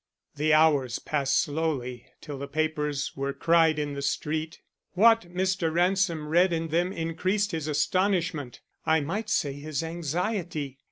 The hours passed slowly till the papers were cried in the street. What Mr. Ransom read in them increased his astonishment, I might say his anxiety.